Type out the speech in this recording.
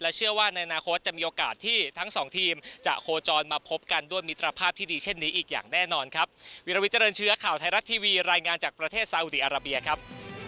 เชื่อว่าในอนาคตจะมีโอกาสที่ทั้งสองทีมจะโคจรมาพบกันด้วยมิตรภาพที่ดีเช่นนี้อีกอย่างแน่นอนครับ